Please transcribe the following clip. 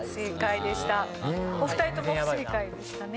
お二人とも不正解でしたね。